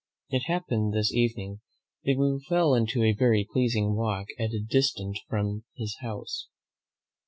It happened this evening that we fell into a very pleasing walk at a distance from his house.